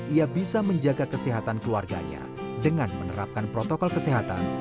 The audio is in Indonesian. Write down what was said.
ia bisa menjaga kesehatan keluarganya dengan menerapkan protokol kesehatan